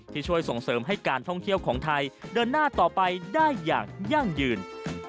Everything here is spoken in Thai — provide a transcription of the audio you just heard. ช่วยส่งเสริมให้การท่องเที่ยวของไทยเดินหน้าต่อไปได้อย่างยั่งยืน